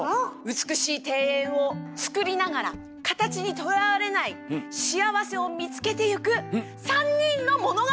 美しい庭園を造りながら形にとらわれない幸せを見つけてゆく３人の物語！